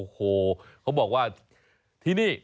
เขาบอกว่าที่นี่